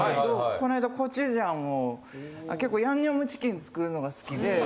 こないだコチュジャンを結構ヤンニョムチキン作るのが好きで。